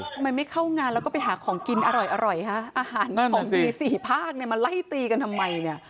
ทำไมไม่เข้างานแล้วก็ไปหาของกินอร่อยคะอาหารของดีสี่ภาคเนี่ยมาไล่ตีกันทำไมเนี่ย